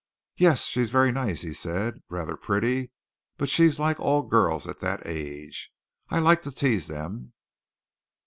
"Yes, she's very nice," he said. "Rather pretty; but she's like all girls at that age. I like to tease them."